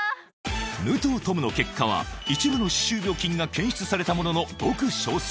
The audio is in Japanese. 武藤十夢の結果は一部の歯周病菌が検出されたもののごく少数